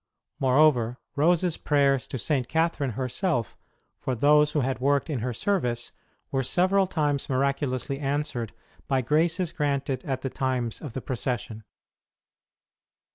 Moreover, Rose s prayers to St. Catherine herself for those who had worked in her service were several times miraculously answered by graces granted at the times of the procession.